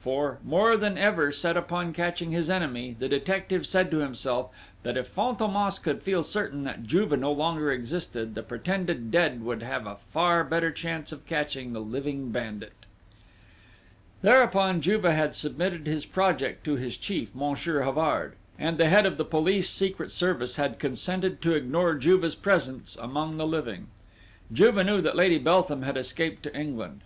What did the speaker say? For, more than ever set upon catching his enemy, the detective said to himself, that if Fantômas could feel certain that Juve no longer existed, the pretended dead would have a far better chance of catching the living bandit! Thereupon, Juve had submitted his project to his chief, Monsieur Havard; and the head of the police secret service had consented to ignore Juve's presence among the living. Juve knew that Lady Beltham had escaped to England.